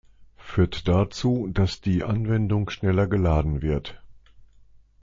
Führt dazu, dass die Anwendung schneller geladen wird.